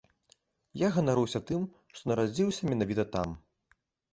Я ганаруся тым, што нарадзіўся менавіта там.